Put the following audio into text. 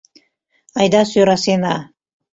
Айда сӧрасена!